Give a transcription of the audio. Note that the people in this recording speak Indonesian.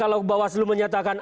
kalau bawaslu menyatakan